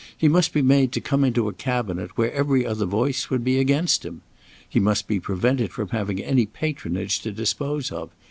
He must be made to come into a Cabinet where every other voice would be against him. He must be prevented from having any patronage to dispose of.